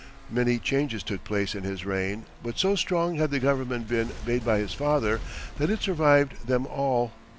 Many changes took place in his reign, but so strong had the government been made by his father that it survived them all.